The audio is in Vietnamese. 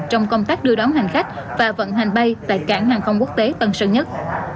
trong công tác đưa đón hành khách và vận hành bay tại cảng hàng không quốc tế tân sơn nhất